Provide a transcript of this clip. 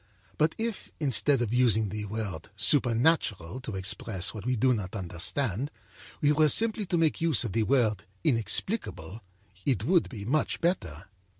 But if, instead of using the word 'supernatural' to express what we do not understand, we were simply to make use of the word 'inexplicable,' it would be much better.